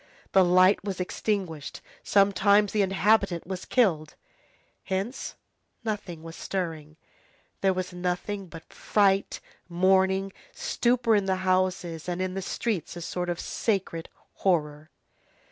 The light was extinguished, sometimes the inhabitant was killed. Hence nothing was stirring. There was nothing but fright, mourning, stupor in the houses; and in the streets, a sort of sacred horror.